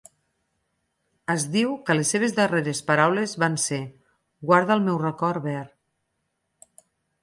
Es diu que les seves darreres paraules van ser: Guarda el meu record verd.